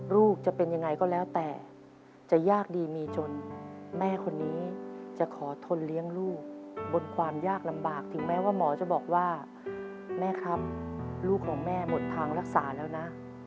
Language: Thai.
ลูกจะเป็นยังไงก็แล้วแต่จะยากดีมีจนแม่คนนี้จะขอทนเลี้ยงลูกบนความยากลำบากถึงแม้ว่าหมอจะบอกว่าแม่ครับลูกของแม่หมดทางรักษาแล้วนะ